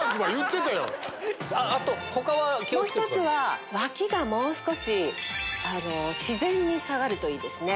もう１つは脇がもう少し自然に下がるといいですね。